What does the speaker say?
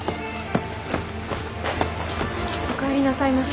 お帰りなさいまし。